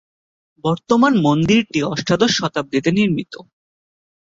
বর্তমান মন্দিরটি অষ্টাদশ শতাব্দীতে নির্মিত।